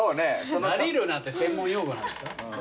「ラリる」なんて専門用語なんですか？